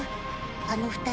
あの二人